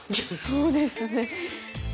そうですね。